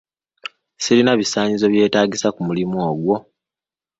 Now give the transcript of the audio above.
Sirina bisaanyizo byetaagisa ku mulimu ogwo.